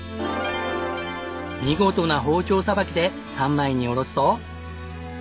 見事な包丁さばきで３枚におろすと。